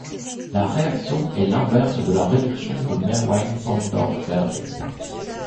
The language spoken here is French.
La réaction est l'inverse de la réduction de Meerwein-Ponndorf-Verley.